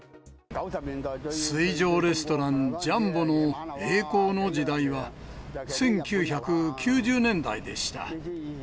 水上レストラン、ジャンボの栄光の時代は、１９９０年代でした。